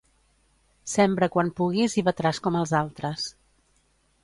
Sembra quan puguis i batràs com els altres.